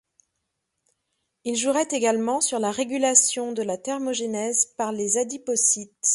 Il jouerait également sur la régulation de la thermogenèse par les adipocytes.